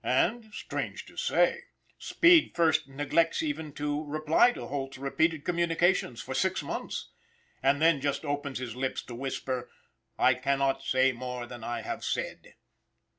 And, strange to say, Speed first neglects even to reply to Holt's repeated communications for six months, and then just opens his lips to whisper, "I cannot say more than I have said."